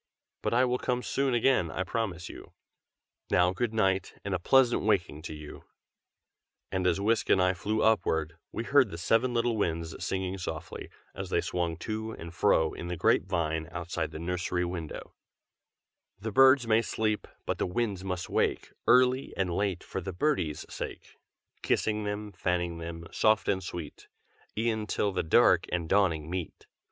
But I will come soon again, I promise you. Now good night, and a pleasant waking to you!" and as Whisk and I flew upward, we heard the seven little Winds singing softly, as they swung to and fro in the grape vine outside the nursery window: The birds may sleep, but the winds must wake Early and late, for the birdies' sake; Kissing them, fanning them, soft and sweet, E'en till the dark and the dawning meet.